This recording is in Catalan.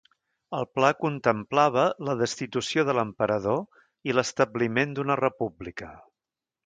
El pla contemplava la destitució de l'emperador i l'establiment d'una república.